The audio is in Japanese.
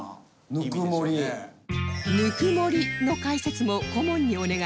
「ぬくもり」の解説も顧問にお願いします